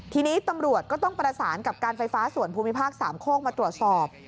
ทีนี้ตำรวจก็ต้องประสานกับการไฟฟ้าส่วนภูมิภาคสามโคกมาตรวจสอบ